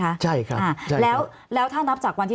สำหรับกำลังการผลิตหน้ากากอนามัย